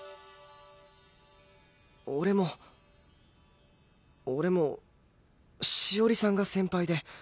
俺も俺も詩織里さんが先輩で。